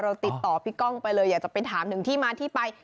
ติดต่อพี่ก้องไปเลยอยากจะไปถามถึงที่มาที่ไป